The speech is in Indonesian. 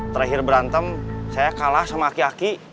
terakhir berantem saya kalah sama aki aki